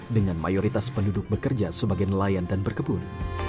dengan mayoritas penduduk bekerja sebagai nelayan dan berkebun